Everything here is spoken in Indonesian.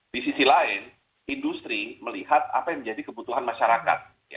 di sisi lain industri melihat apa yang menjadi kebutuhan masyarakat